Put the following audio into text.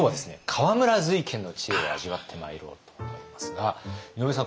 河村瑞賢の知恵を味わってまいろうと思いますが井上さん